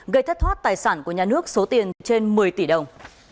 gây thất thoát tài sản của nhà nước số tiền trên một mươi tỷ đồng